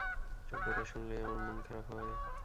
শব্দটা শুনলেই আমার মন খারাপ হয়।